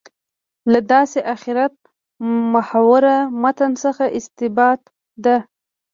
له داسې آخرت محوره متن څخه استنباط ده.